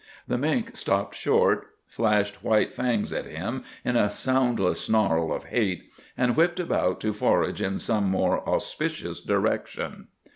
The mink stopped short, flashed white fangs at him in a soundless snarl of hate, and whipped about to forage in some more auspicious direction.